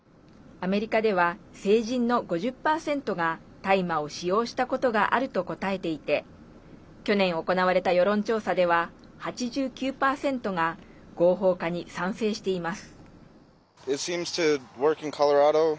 アメリカでは成人の５０％が大麻を使用したことがあると答えていて去年行われた世論調査では８９％が合法化に賛成しています。